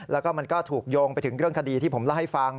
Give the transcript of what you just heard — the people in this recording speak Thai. แล้วก็มันก็ถูกโยงไปถึงเรื่องคดีที่ผมเล่าให้ฟัง